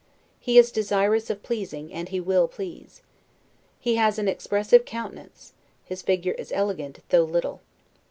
He is desirous of pleasing, and he will please. He has an expressive countenance; his figure is elegant, although little.